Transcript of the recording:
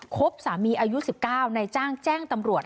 บสามีอายุ๑๙นายจ้างแจ้งตำรวจ